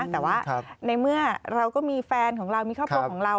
แต่ว่าในเมื่อเราก็มีแฟนของเรามีครอบครัวของเรา